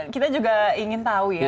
kita juga ingin tahu